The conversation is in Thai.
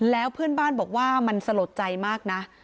แล้วเพื่อนบ้านบอกว่ามันสลดใจมากนะ